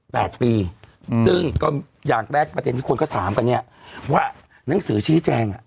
แล้วนางก็บอกเมื่อวัน